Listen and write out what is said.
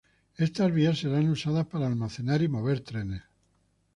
Estas vías serán usadas para almacenar y mover trenes.